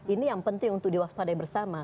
ini yang penting untuk diwaspadai bersama